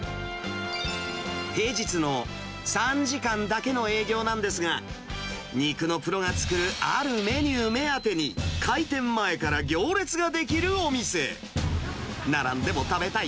平日の３時間だけの営業なんですが、肉のプロが作るあるメニュー目当てに、開店前から行列が出来るお店。